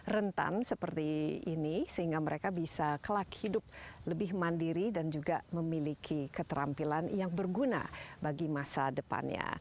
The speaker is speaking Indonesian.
rentan seperti ini sehingga mereka bisa kelak hidup lebih mandiri dan juga memiliki keterampilan yang berguna bagi masa depannya